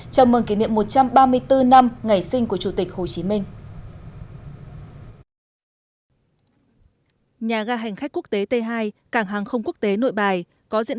chào mừng kỷ niệm một trăm ba mươi bốn năm ngày sinh của chủ tịch hồ chí minh